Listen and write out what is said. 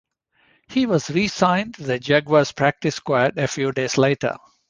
He was re-signed to the Jaguars' practice squad a few days later.